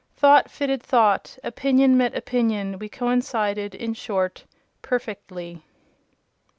Thought fitted thought; opinion met opinion: we coincided, in short, perfectly.